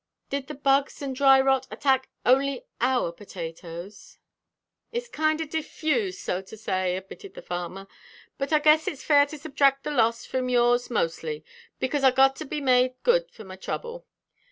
"Did the bugs and dry rot attack only our potatoes?" she demanded. "It's kinder diffused, so to say," admitted the farmer, "but I guess it's fair to subtract the loss from yours mostly, because I've got to be made good for my trouble."